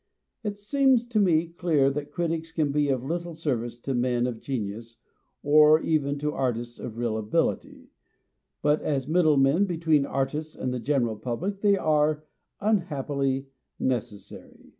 It seems to me clear that critics can be of little service to men of genius or even to artists of real ability, but as middlemen between artists and the general public they are, unhappily, neces 210 MONOLOGUES sary.